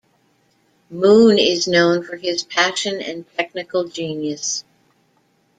Moon is known for his passion and technical genius.